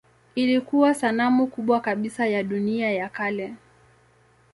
Ilikuwa sanamu kubwa kabisa ya dunia ya kale.